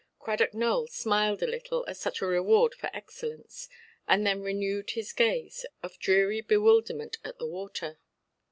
Cradock Nowell smiled a little at such a reward for excellence, and then renewed his gaze of dreary bewilderment at the water.